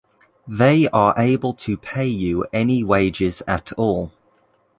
They are able to pay you any wages at all.